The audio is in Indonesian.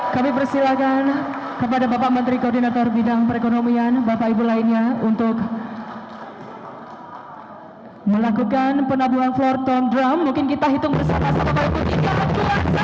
kami persilahkan kepada bapak menteri koordinator bidang perekonomian